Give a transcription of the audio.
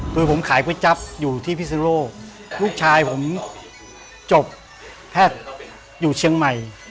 โดยผมขายก๋วยจั๊บอยู่ที่พิศนุโลกลูกชายผมจบแพทย์อยู่เชียงใหม่